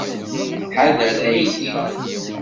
Ḥader aydi.